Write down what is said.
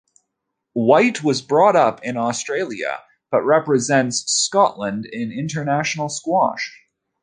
White was brought up in Australia, but represents Scotland in international squash.